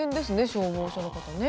消防署の方ね。